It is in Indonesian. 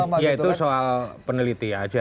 oh itu kan ya itu soal peneliti aja